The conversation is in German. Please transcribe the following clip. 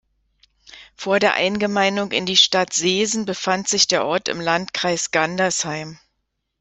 Vor der Eingemeindung in die Stadt Seesen befand sich der Ort im Landkreis Gandersheim.